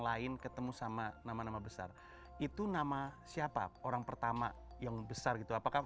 lain ketemu sama nama nama besar itu nama siapa orang pertama yang besar gitu apakah